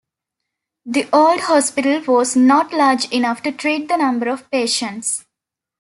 The old Hospital was not large enough to treat the number of patients.